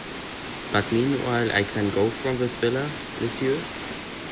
But meanwhile I can go from this villa, monsieur?